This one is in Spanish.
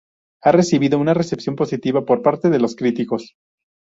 Ha recibido una recepción positiva por parte de los críticos.